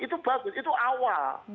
itu bagus itu awal